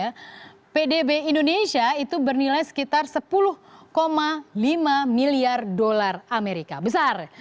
dan pdb indonesia itu bernilai sekitar sepuluh lima miliar dolar amerika besar